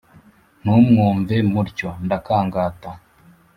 ntumwumve mutyo ndakangata